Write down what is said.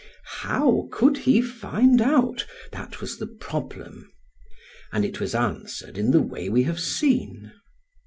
How could he find out? that was the problem; and it was answered in the way we have seen.